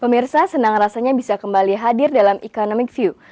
pemirsa senang rasanya bisa kembali hadir dalam economic view